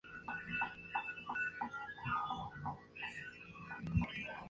Fundado originalmente por la Editorial Católica, en la actualidad es propiedad del grupo Vocento.